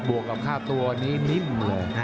บวกกับค่าตัวนี้นิ่ม